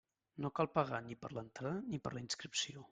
No cal pagar ni per l'entrada ni per la inscripció.